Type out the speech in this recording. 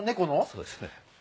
そうですね。